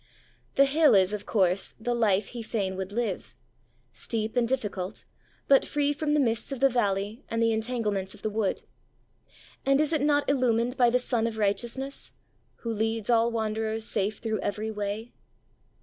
The hill is, of course, the life he fain would live steep and difficult, but free from the mists of the valley and the entanglements of the wood. And is it not illumined by the Sun of Righteousness 'Who leads all wanderers safe through every way'?